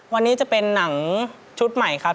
วันนี้จะเป็นหนังชุดใหม่ครับ